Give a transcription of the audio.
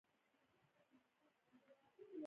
پۀ کال نولس سوه پينځه شپيتم کښې ئې